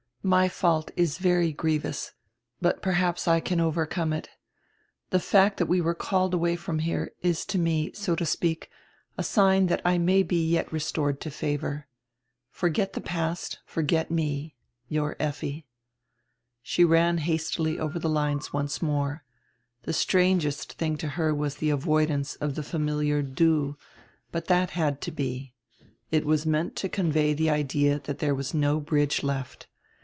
My fault is very grievous, but perhaps I can overcome it. The fact diat we were called away from here is to me, so to speak, a sign drat I may yet be restored to favor. Forget the past, forget me. Your Effi." She ran hastily over tire lines once more. The strangest tiring to her was tire avoidance of die familiar "Du," but that had to be. It was meant to convey tire idea that there was no bridge left.